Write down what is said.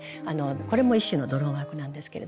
これも一種のドロンワークなんですけれども。